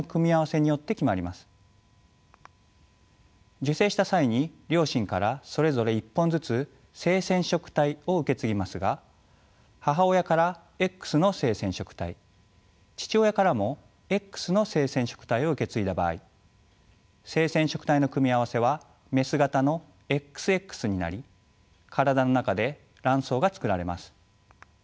受精した際に両親からそれぞれ１本ずつ性染色体を受け継ぎますが母親からＸの性染色体父親からもＸの性染色体を受け継いだ場合性染色体の組み合わせはメス型のＸＸになり体の中で卵巣が作られます。